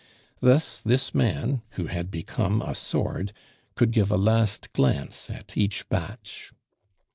Thus this man, who had become a sword, could give a last glance at each batch.